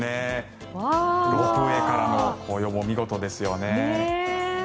ロープウェーからの紅葉も見事ですよね。